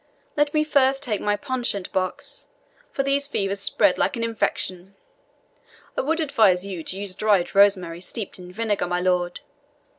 let me first take my pouncet box, for these fevers spread like an infection. I would advise you to use dried rosemary steeped in vinegar, my lord.